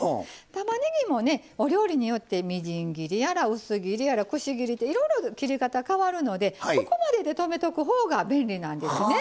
たまねぎもねお料理によってみじん切りやら薄切りやらくし切りっていろいろ切り方変わるのでここまでで止めとく方が便利なんですね。